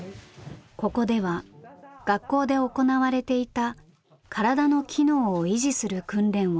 ここでは学校で行われていた体の機能を維持する訓練を継続して行っています。